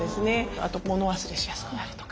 あと物忘れしやすくなるとか。